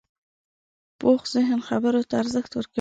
پوخ ذهن خبرو ته ارزښت ورکوي